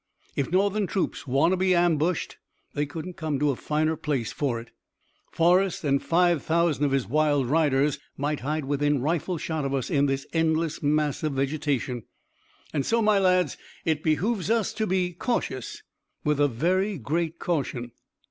If Northern troops want to be ambushed they couldn't come to a finer place for it. Forrest and five thousand of his wild riders might hide within rifle shot of us in this endless mass of vegetation. And so, my lads, it behooves us to be cautious with a very great caution.